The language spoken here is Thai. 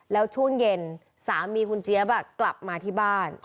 แล้วช่วงเย็นสามีคุณเจี๊ยบกลับมาที่บ้าน